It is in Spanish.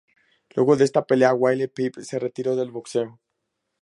Luego de esta pelea Willie Pep se retiró del boxeo.